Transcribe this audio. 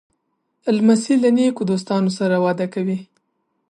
لمسی له نیکو دوستانو سره وده کوي.